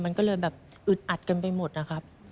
มันก็เลยแบบอึดอัดกันไปหมดนะครับ